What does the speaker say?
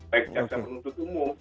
baik caksa penduduk umum